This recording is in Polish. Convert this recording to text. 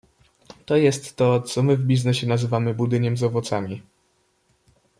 To jest to, co my w biznesie nazywamy budyniem z owocami.